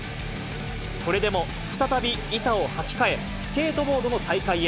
それでも、再び板をはき替え、スケートボードの大会へ。